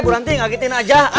buranti ngagetin aja